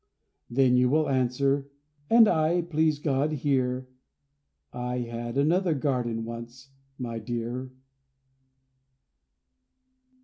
Then you will answer and I, please God, hear, "I had another garden once, my dear".